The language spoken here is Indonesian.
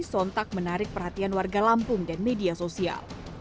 sontak menarik perhatian warga lampung dan media sosial